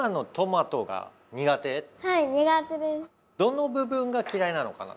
どの部分がきらいなのかな？